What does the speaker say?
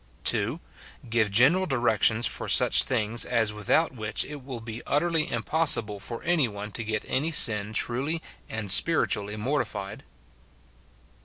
II. Give general directions for such things as without which it will be utterly impossible for any one to get any sin truly and spiritually mortified.